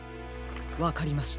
わかりました。